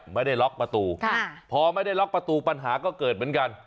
ไม่ได้ล็อกประตูพอไม่ได้ล็อกประตูปัญหาก็เกิดเหมือนกัน